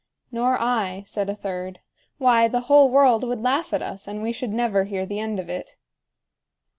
"Nor I," said a third. "Why, the whole world would laugh at us, and we should never hear the end of it."